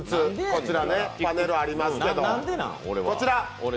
こちらね、パネルありますけど、こちら。